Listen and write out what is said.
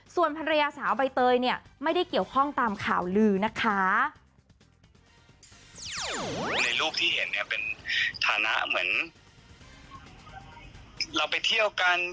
ส่วนภรรยาสาวใบเตยเนี่ยไม่ได้เกี่ยวข้องตามข่าวลือนะคะ